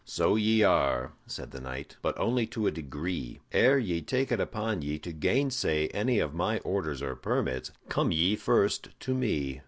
"So ye are," said the knight; "but only to a degree. Ere ye take it upon ye to gainsay any of my orders or permits, come ye first to me.